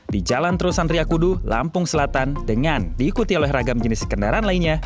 di jalan terusan ria kudu lampung selatan dengan diikuti oleh ragam jenis kendaraan lainnya